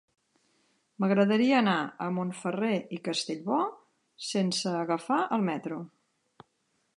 M'agradaria anar a Montferrer i Castellbò sense agafar el metro.